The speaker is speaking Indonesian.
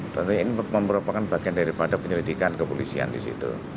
tentunya ini memperlupakan bagian daripada penyelidikan kepolisian disitu